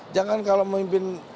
jangan kalau memimpin